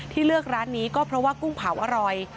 เลือกร้านนี้ก็เพราะว่ากุ้งเผาอร่อย